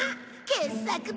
傑作だ！